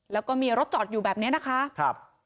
แล้วก็มีรถจอดอยู่แบบนี้นะคะครับ